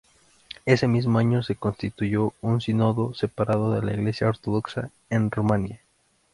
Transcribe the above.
Ese mismo año se constituyó un sínodo separado de la Iglesia ortodoxa en Rumania.